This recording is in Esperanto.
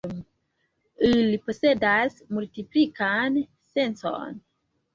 Ili posedas multiplikan sencon.